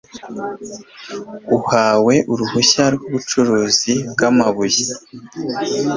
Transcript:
uwahawe uruhushya rw ubucukuzi bw amabuye